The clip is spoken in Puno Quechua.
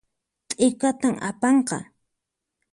T'ikatan apanqa